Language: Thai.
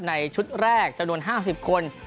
ในชุดแรกจะโดน๕๐คน